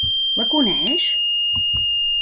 La coneix?